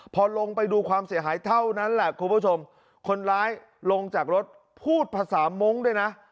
พอลงไปดูความเสียหายเท่านั้นแหละคุณผู้ชมคนร้ายลงจากรถพูดภาษามงค์ด้วยนะ